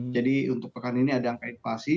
jadi untuk pekan ini ada angka inflasi